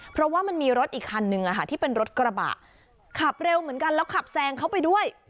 เพราะว่ามันมีรถอีกคันนึงที่เป็นรถกระบะขับเร็วเหมือนกันแล้วขับแซงเข้าไปด้วย